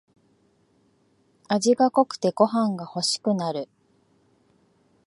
味が濃くてご飯がほしくなる